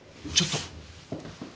ちょっと。